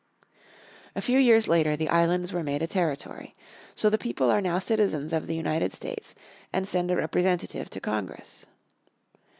A few years later the islands were made a territory. So the people are now citizens of the United States, and send a representative to Congress.